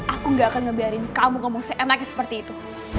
aku enggak akan ngebiarkan kamu ngomong seenaknya seperti itu